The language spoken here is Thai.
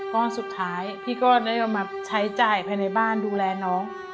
ก้อนสุดท้ายพี่ก็ได้เอามาใช้จ่ายภายในบ้านดูแลน้อง